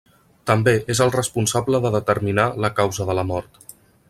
També és el responsable de determinar la causa de la mort.